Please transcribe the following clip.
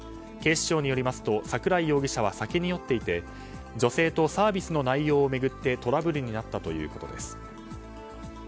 警視庁によりますと桜井容疑者は酒に酔っていて女性とサービスの内容を巡ってトラブルになったということです。